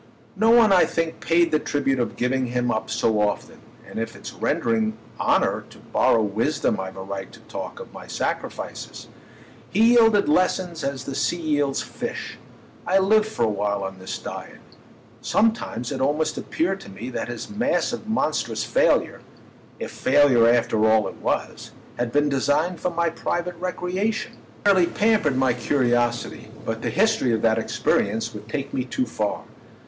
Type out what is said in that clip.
No one, I think, paid the tribute of giving him up so often, and if it's rendering honour to borrow wisdom I've a right to talk of my sacrifices. He yielded lessons as the sea yields fish—I lived for a while on this diet. Sometimes it almost appeared to me that his massive monstrous failure—if failure after all it was—had been designed for my private recreation. He fairly pampered my curiosity; but the history of that experience would take me too far.